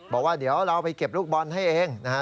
บอกว่าเดี๋ยวเราไปเก็บลูกบอลให้เองนะฮะ